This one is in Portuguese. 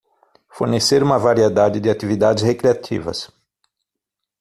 Fornecer uma variedade de atividades recreativas